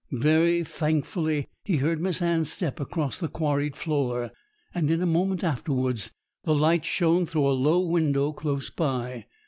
Very thankfully he heard Miss Anne's step across the quarried floor, and in a moment afterwards the light shone through a low window close by.